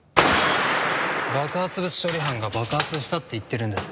爆発物処理班が爆発したって言ってるんです。